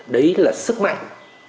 đấy là sức mạnh